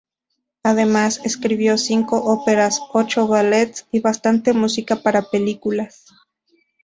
Además, escribió cinco óperas, ocho ballets y bastante música para películas.